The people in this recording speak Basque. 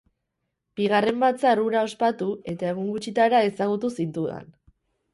Bigarren batzar hura ospatu, eta egun gutxitara ezagutu zintudan.